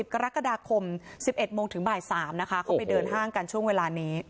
กรกฎาคม๑๑โมงถึงบ่าย๓นะคะเขาไปเดินห้างกันช่วงเวลานี้